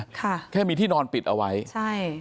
ค่ะแค่มีที่นอนปิดเอาไว้ใช่